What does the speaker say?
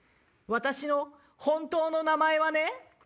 私の本当の名前はね。